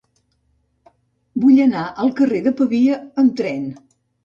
Vull anar al carrer de Pavia amb tren.